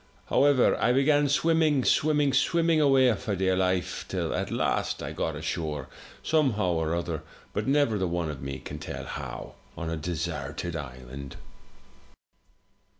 However, I began swimming, swimming, swimming away for dear life, till at last I got ashore, somehow or other, but never the one of me can tell how, on a desarted island.